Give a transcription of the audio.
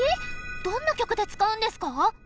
どんな曲で使うんですか？